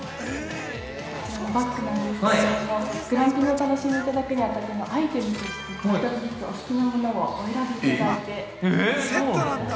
◆こちらのバッグなんですけどもグランピングお楽しみいただくに当たってのアイテムとして１つずつお好きなものをお選びいただいております。